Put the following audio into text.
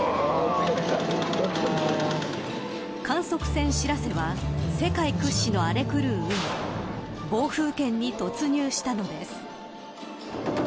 観測船しらせは世界屈指の荒れ狂う海暴風圏に突入したのです。